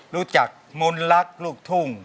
รู้จักมนต์รักลูกทุ่ง